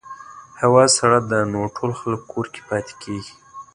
هوا سړه ده، نو ټول خلک کور کې پاتې کېږي.